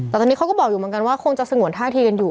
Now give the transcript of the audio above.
แต่ตอนนี้เขาก็บอกอยู่เหมือนกันว่าคงจะสงวนท่าทีกันอยู่